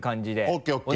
ＯＫＯＫ